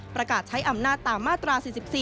ประกาศใช้อำนาจตามมาตรา๔๔